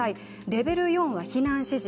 レベル４は避難指示。